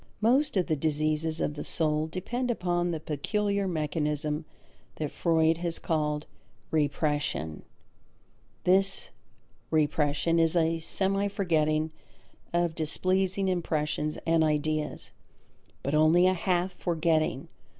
Most of the diseases of the soul depend upon the peculiar mechanism that Freud has called "repression." This "repression" is a semi forgetting of displeasing impressions and ideas. But only a half forgetting.